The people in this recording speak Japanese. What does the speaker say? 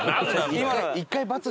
今。